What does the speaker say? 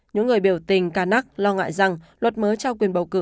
những người biểu tình ca nắc lo ngại rằng luật mới trao quyền bầu cử